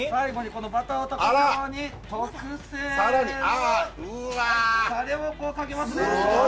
このバターを溶かすように特製のタレをかけますね。